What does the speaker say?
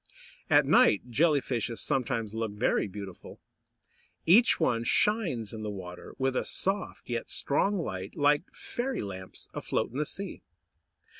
At night Jelly fishes sometimes look very beautiful. Each one shines in the water, with a soft yet strong light, like fairy lamps afloat in the sea.